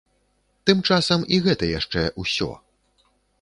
Тым часам і гэта яшчэ ўсё.